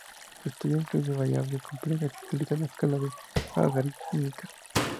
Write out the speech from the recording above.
Su estudio incluye variables complejas, y utiliza la escala logarítmica.